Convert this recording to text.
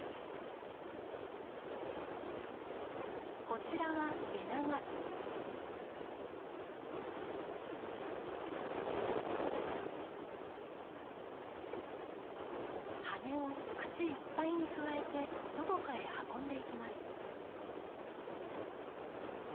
こちらは羽根を口いっぱいにくわえてどこかへ運んでいきます。